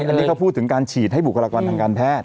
อันนี้เขาพูดถึงการฉีดให้บุคลากรทางการแพทย์